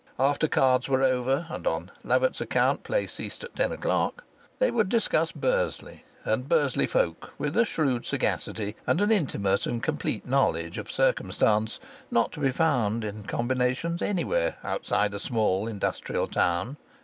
After cards were over and on Lovatt's account play ceased at ten o'clock they would discuss Bursley and Bursley folk with a shrewd sagacity and an intimate and complete knowledge of circumstance not to be found in combination anywhere outside a small industrial town.